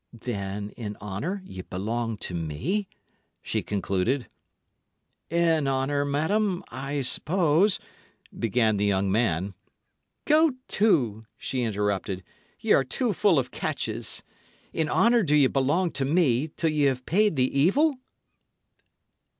"Then, in honour, ye belong to me?" she concluded. "In honour, madam, I suppose" began the young man. "Go to!" she interrupted; "ye are too full of catches. In honour do ye belong to me, till ye have paid the evil?"